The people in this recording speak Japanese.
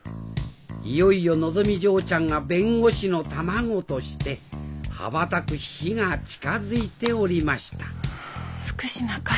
いよいよのぞみ嬢ちゃんが弁護士の卵として羽ばたく日が近づいておりました福島か。